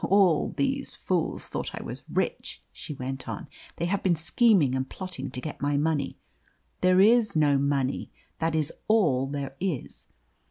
"All these fools thought I was rich," she went on. "They have been scheming and plotting to get my money. There is no money. That is all there is.